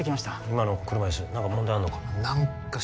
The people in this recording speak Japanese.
今の車いす何か問題あんのか？